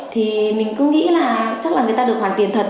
thì mình cứ nghĩ là chắc là người ta được hoàn tiền thật